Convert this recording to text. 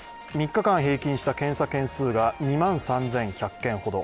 ３日間平均した検査件数が２万３１００件ほど。